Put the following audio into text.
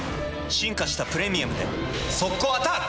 進化した「プレミアム」で速攻アタック！